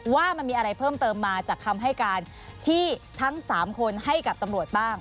ว่ามันมีอะไรเพิ่มเติมมาจากคำให้การที่ทั้ง๓คนให้กับตำรวจบ้าง